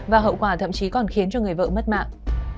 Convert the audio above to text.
và hậu quả thậm chí còn khiến cho người vợ mất mạng